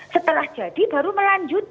setelah jadi baru melanjut